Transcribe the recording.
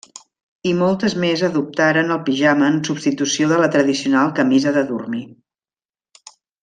I moltes més adoptaren el pijama en substitució de la tradicional camisa de dormir.